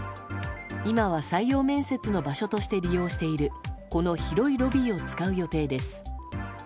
今は採用面接の場所として利用しているこの広いロビーを使う予定です。